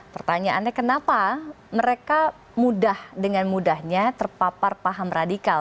pertanyaannya kenapa mereka mudah dengan mudahnya terpapar paham radikal